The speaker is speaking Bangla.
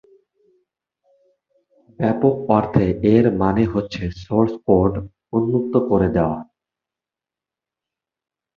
ব্যাপক অর্থে এর মানে হচ্ছে সোর্স কোড উন্মুক্ত করে দেয়া।